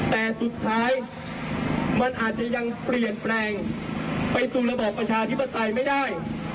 แต่สุดท้ายมันอาจจะยังเปลี่ยนแปลงไปสู่ระบอบประชาธิปไตยไม่ได้